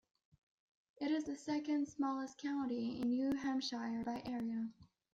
It is the second-smallest county in New Hampshire by area.